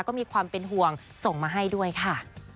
ก็มีความเป็นห่วงส่งมาให้ด้วยค่ะ